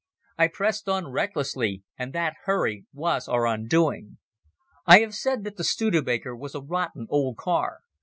I pressed on recklessly, and that hurry was our undoing. I have said that the Studebaker was a rotten old car.